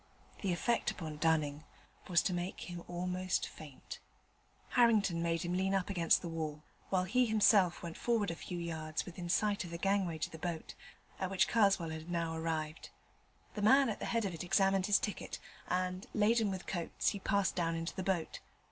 The effect upon Dunning was to make him almost faint. Harrington made him lean up against the wall, while he himself went forward a few yards within sight of the gangway to the boat, at which Karswell had now arrived. The man at the head of it examined his ticket, and, laden with coats, he passed down into the boat.